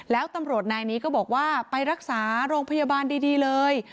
แล้วตำรวจนายนี้ก็บอกว่าไปรักษาโรงพยาบาลดีเลย